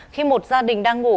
khi một gia đình đang ngủ